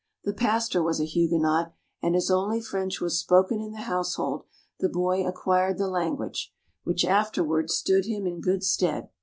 The pastor was a Huguenot, and as only French was spoken in the household, the boy acquired the language, which afterwards stood him in good stead.